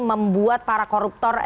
membuat para koruptor